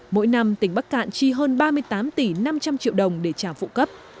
mỗi năm tỉnh bắc cạn chi hơn ba mươi tám tỷ năm trăm linh triệu đồng để trả phụ cấp